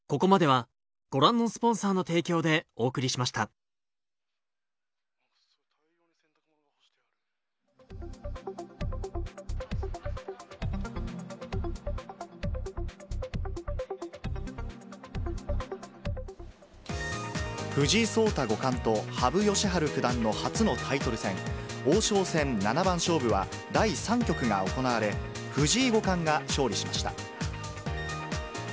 警察は、藤井聡太五冠と羽生善治九段の初のタイトル戦、王将戦七番勝負は、第３局が行われ、藤井五冠が勝利しました。